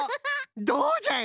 どうじゃい！